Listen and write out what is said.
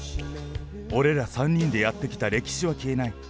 俺ら３人でやってきた歴史は消えない。